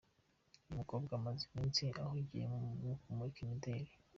Uyu mukobwa amaze iminsi ahugiye mu kumurika imideli.